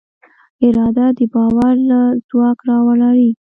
اراده د باور له ځواک راولاړېږي.